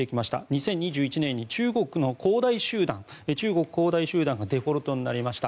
２０２１年に中国恒大集団がデフォルトになりました。